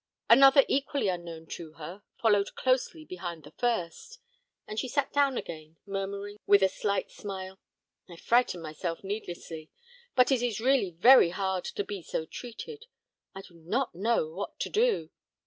Another equally unknown to her, followed close behind the first; and she sat down again, murmuring with a slight smile, "I frighten myself needlessly. But it is really very hard to be so treated. I do not know what to do.